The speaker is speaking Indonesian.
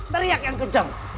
teriak yang kenceng